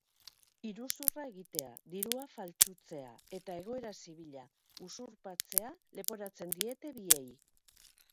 Iruzurra egitea, dirua faltsutzea eta egoera zibila usurpatzea leporatzen diete biei.